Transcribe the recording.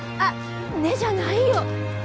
「ねっ」じゃないよ。